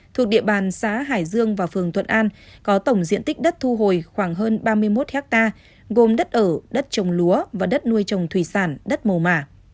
thuộc địa bàn xã hải dương và phường thuận an có tổng diện tích đất thu hồi khoảng hơn ba mươi một hectare gồm đất ở đất trồng lúa và đất nuôi trồng thủy sản đất mồ mả